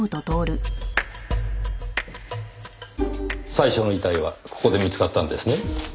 最初の遺体はここで見つかったんですね？